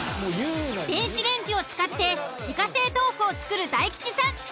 電子レンジを使って自家製豆腐を作る大吉さん。